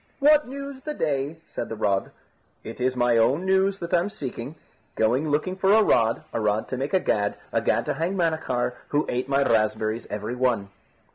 "What news the day?" said the rod. "It is my own news that I'm seeking. Going looking for a rod, a rod to make a gad, a gad to hang Manachar, who ate my raspberries every one."